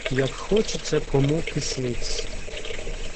Як хочеться кому кислиць.